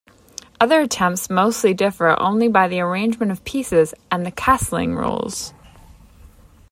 Other attempts mostly differ only by the arrangement of pieces and the castling rules.